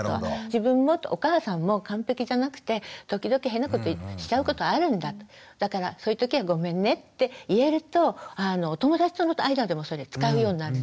自分もお母さんも完璧じゃなくて時々変なことしちゃうことあるんだだからそういうときはごめんねって言えるとお友達との間でもそれ使うようになるんですよ。